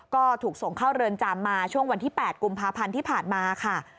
ก็ถูกส่งเข้าเรือนจำมาช่วงวันที่๘กุมภาพันธ์ที่ผ่านมาค่ะ